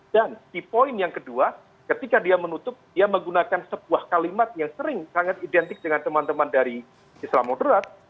dan di poin yang kedua ketika dia menutup dia menggunakan sebuah kalimat yang sering sangat identik dengan teman teman dari islam moderat